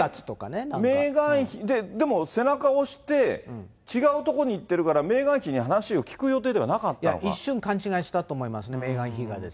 メーガン妃、でも、背中を押して、違うとこに行ってるから、メーガン妃に話を聞く予定ではなかったいや、一瞬、勘違いしたと思います、メーガン妃が。